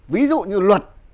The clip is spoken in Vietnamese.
ví dụ như luật